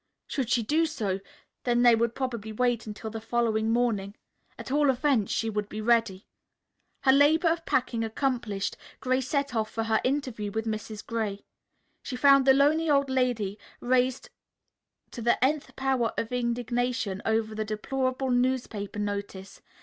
Should she do so, then they would probably wait until the following morning. At all events she would be ready. Her labor of packing accomplished, Grace set off for her interview with Mrs. Gray. She found the lonely old lady raised to the nth power of indignation over the deplorable newspaper notice.